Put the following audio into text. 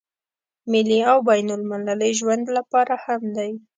ملي او بين المللي ژوند لپاره هم دی.